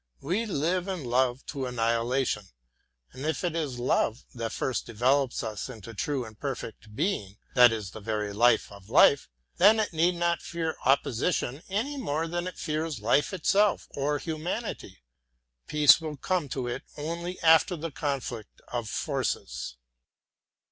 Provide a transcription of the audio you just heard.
We live and love to annihilation. And if it is love that first develops us into true and perfect beings, that is the very life of life, then it need not fear opposition any more than it fears life itself or humanity; peace will come to it only after the conflict of forces.